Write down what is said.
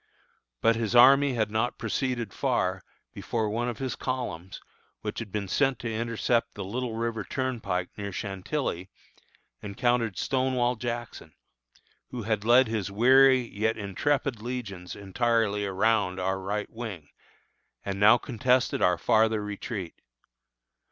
But his army had not proceeded far, before one of his columns, which had been sent to intercept the Little River Turnpike, near Chantilly, encountered Stonewall Jackson, who had led his weary, yet intrepid legions entirely around our right wing, and now contested our farther retreat.